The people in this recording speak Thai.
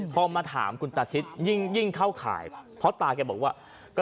พอมาถามคุณตาชิดยิ่งเข้าข่ายเพราะตาแกบอกว่า